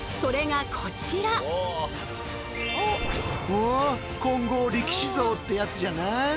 お金剛力士像ってやつじゃな。